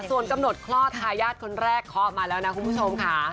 ส่วนกำหนดคลอดทายาทคนแรกคลอดมาแล้วนะคุณผู้ชมค่ะ